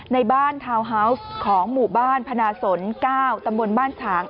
ในบ้านทาวน์ฮาวส์ของหมู่บ้านพนาสน๙ตำบลบ้านฉาง